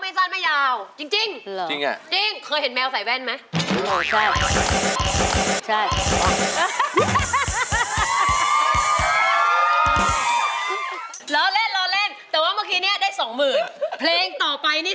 เกิดมาไม่เคยใส่แว้นตาเลย